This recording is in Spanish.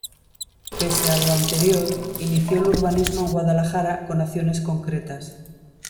Pese a lo anterior, inició el urbanismo en Guadalajara con acciones concretas.